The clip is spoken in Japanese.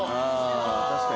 あ確かに。